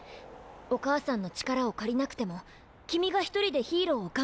お母さんの力を借りなくてもキミが一人でヒーローを頑張れるって。